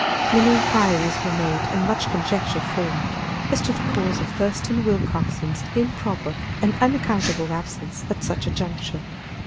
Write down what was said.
Many inquiries were made and much conjecture formed as to the cause of Thurston Willcoxen's improper and unaccountable absence at such a juncture.